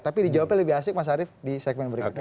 tapi dijawabnya lebih asik mas arief di segmen berikutnya